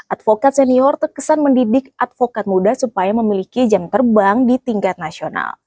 advokat senior terkesan mendidik advokat muda supaya memiliki jam terbang di tingkat nasional